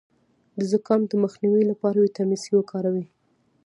د زکام د مخنیوي لپاره ویټامین سي وکاروئ